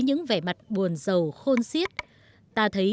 nhưng mà do là